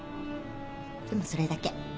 でもそれだけ。